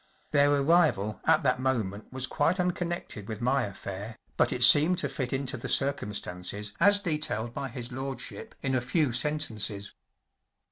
Their arrival at that moment was quite unconnected with my affair, but it seemed to fit into the circum¬ stances as detailed by his lordship in a few sentences.